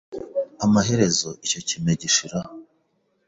Amaherezo icyo kime gishiraho